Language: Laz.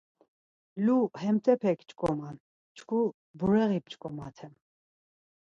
Lu hemtepek ç̌ǩoman, çku bureği p̌ç̌ǩomaten.